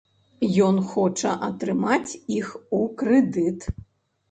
Ён хоча атрымаць іх у крэдыт.